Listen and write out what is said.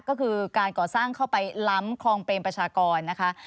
ก็คือการก่อสร้างเข้าไปล้ำคลองเปรมประชากรนะคะ